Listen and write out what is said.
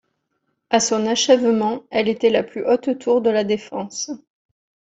À son achèvement, elle était la plus haute tour de la Défense.